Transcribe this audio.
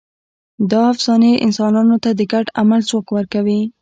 دا افسانې انسانانو ته د ګډ عمل ځواک ورکوي.